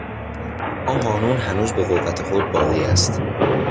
آن قانون هنوز به قوت خود باقی است.